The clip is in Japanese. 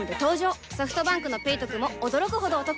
ソフトバンクの「ペイトク」も驚くほどおトク